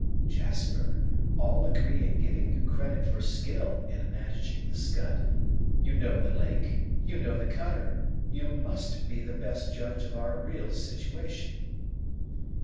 "Jasper, all agree in giving you credit for skill in managing the Scud. You know the lake, you know the cutter; you must be the best judge of our real situation."